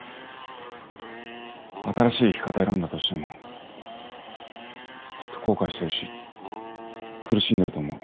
新しい生き方選んだとしてもきっと後悔してるし苦しんでると思う。